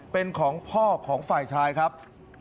เป็นของพ่อของฝ่ายชายครับ